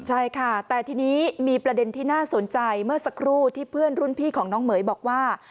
ใช่ค่ะแต่ทีนี้มีประเด็นที่น่าสนใจเมื่อสักครู่ที่เพื่อนรุ่นพี่ของน้องเหม๋ยบอกว่า